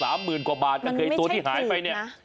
มันไม่ใช่ถืกนะใช่ไหมตัวที่หายไปนี่